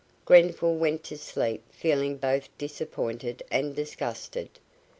Grenfall went to sleep feeling both disappointed and disgusted.